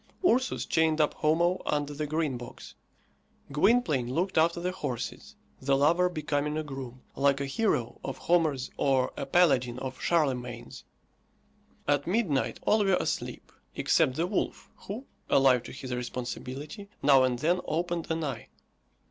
Ursus chained up Homo under the Green Box; Gwynplaine looked after the horses, the lover becoming a groom, like a hero of Homer's or a paladin of Charlemagne's. At midnight, all were asleep, except the wolf, who, alive to his responsibility, now and then opened an eye.